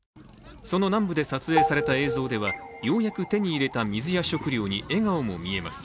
その南部で撮影された映像ではようやく手に入れた水や食料に笑顔も見えます